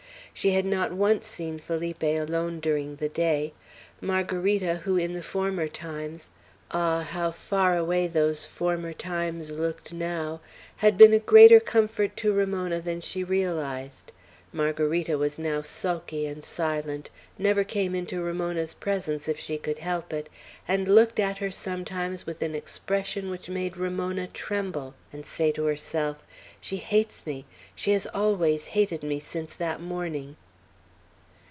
She had not once seen Felipe alone during the day. Margarita, who, in the former times, ah, how far away those former times looked now! had been a greater comfort to Ramona than she realized, Margarita now was sulky and silent, never came into Ramona's presence if she could help it, and looked at her sometimes with an expression which made Ramona tremble, and say to herself, "She hates me; She has always hated me since that morning."